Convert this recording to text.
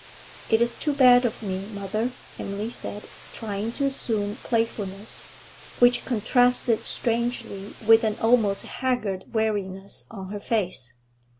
'It is too bad of me, mother,' Emily said, trying to assume playfulness, which contrasted strangely with an almost haggard weariness on her face.